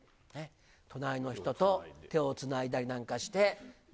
隣の人と、手をつないだりなんかして。